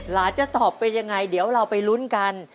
จะตอบเป็นยังไงเดี๋ยวเราไปลุ้นกัน